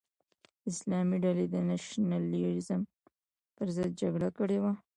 د اسلامي ډلې د نشنلیزم پر ضد جګړه کړې وه.